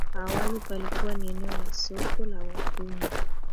Awali palikuwa ni eneo la soko la watumwa